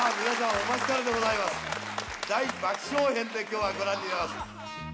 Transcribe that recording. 大爆笑編できょうはご覧に入れます。